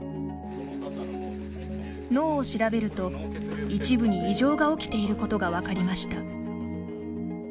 脳を調べると一部に異常が起きていることが分かりました。